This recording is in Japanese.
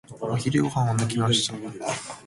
お昼ご飯は抜きました。